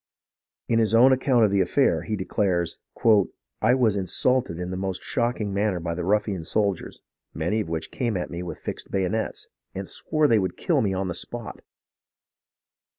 In his own account of the affair he de clares :" I was insulted in the most shocking manner by the ruffian soldiers, many of which came at me with fixed bayonets, and swore they would kill me on the spot.